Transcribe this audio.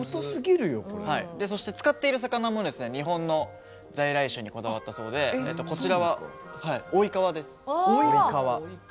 使っている魚も日本の在来種にこだわったそうでこちらは、オイカワです。